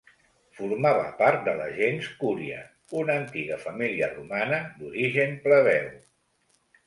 Formava part de la gens Cúria, una antiga família romana d'origen plebeu.